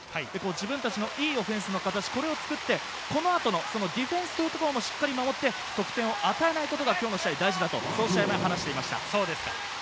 自分たちのいいオフェンスの形、これを作ってこの後のディフェンスというところもしっかり守って、得点を与えないことが今日の試合は大事だと話していました。